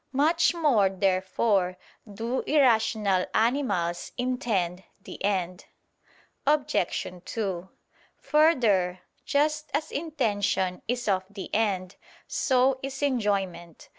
Much more, therefore, do irrational animals intend the end. Obj. 2: Further, just as intention is of the end, so is enjoyment.